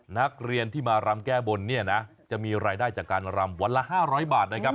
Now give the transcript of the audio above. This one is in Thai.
นักเรียนที่มารำแก้บนเนี่ยนะจะมีรายได้จากการรำวันละ๕๐๐บาทนะครับ